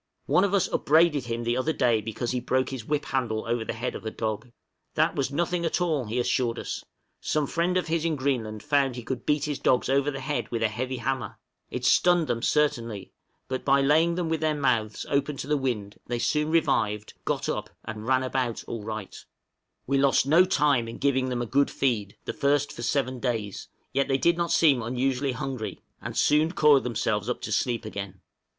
One of us upbraided him the other day because he broke his whip handle over the head of a dog. "That was nothing at all," he assured us: some friend of his in Greenland found he could beat his dogs over the head with a heavy hammer, it stunned them certainly, but by laying them with their mouths open to the wind, they soon revived, got up and ran about "all right." We lost no time in giving them a good feed, the first for seven days, yet they did not seem unusually hungry, and soon coiled themselves up to sleep again.